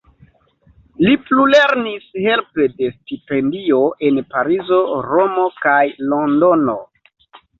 Li plulernis helpe de stipendio en Parizo, Romo kaj Londono.